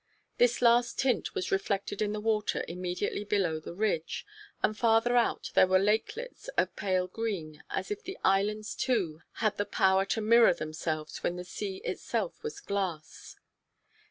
This last tint was reflected in the water immediately below the ridge, and farther out there were lakelets of pale green, as if the islands, too, had the power to mirror themselves when the sea itself was glass.